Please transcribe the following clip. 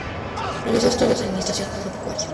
Realizó estudios de administración agropecuaria.